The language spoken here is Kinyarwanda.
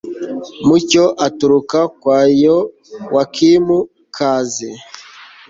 mucyo uturuka kwa yowakimu, kaze